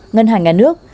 ngân hàng nhà nước